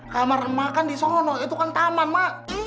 kamar emak kan di sono itu kan taman ma